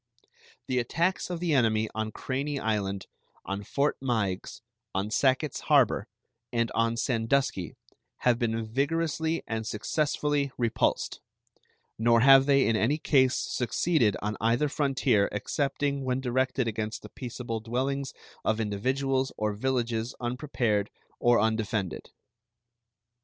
The attacks of the enemy on Craney Island, on Fort Meigs, on Sacketts Harbor, and on Sandusky have been vigorously and successfully repulsed; nor have they in any case succeeded on either frontier excepting when directed against the peaceable dwellings of individuals or villages unprepared or undefended.